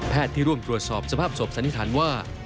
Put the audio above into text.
ที่ร่วมตรวจสอบสภาพศพสันนิษฐานว่า